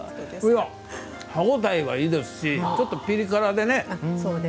歯応えがいいですしちょっと、ピリ辛でね。